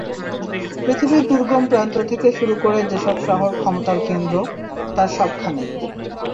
পৃথিবীর দুর্গম প্রান্ত থেকে শুরু করে যেসব শহর ক্ষমতার কেন্দ্র—তার সবখানেই।